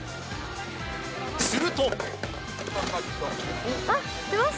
すると。